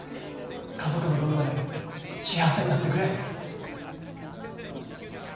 家族の分まで幸せになってくれ。